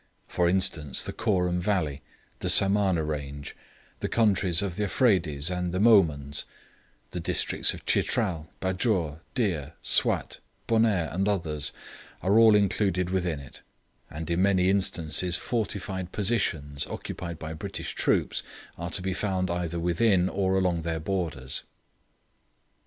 For instance, the Koorum Valley, the Samana Range, the countries of the Afredis and the Mohmunds, the districts of Chitral, Bajour, Dir, Swat, Bonair, and others, are all included within it; and in many instances fortified positions, occupied by British troops, are to be found either within or along their borders.